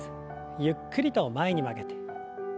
ゆっくりと前に曲げて。